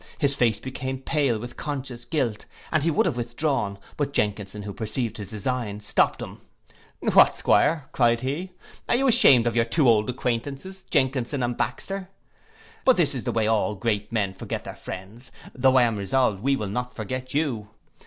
His face became pale with conscious guilt, and he would have withdrawn; but Jenkinson, who perceived his design, stopt him—'What, 'Squire,' cried he, 'are you ashamed of your two old acquaintances, Jenkinson and Baxter: but this is the way that all great men forget their friends, though I am resolved we will not forget you.